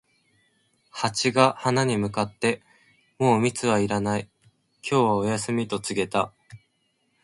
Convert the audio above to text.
ハチが花に向かって、「もう蜜はいらない、今日はお休み」と告げた。